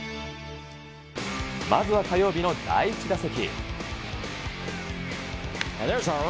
まずは火曜日の第１打席。